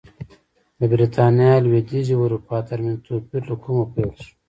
د برېټانیا او لوېدیځې اروپا ترمنځ توپیر له کومه پیل شو